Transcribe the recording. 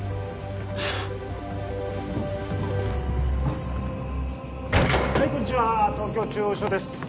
はいこんちはー東京中央署です